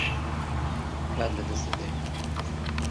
کات لەدەست دەدەین.